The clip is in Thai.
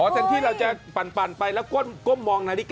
แทนที่เราจะปั่นไปแล้วก้มมองนาฬิกา